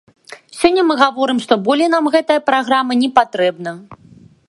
Сёння мы гаворым, што болей нам гэтая праграма не патрэбна.